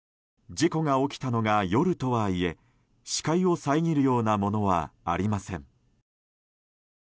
事故が起きたのが夜とはいえ視界を遮るようなものはありません。